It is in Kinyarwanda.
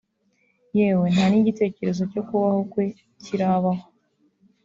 yewe nta n’igitekerezo cyo kubaho kwe kirabaho